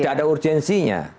tidak ada urgensinya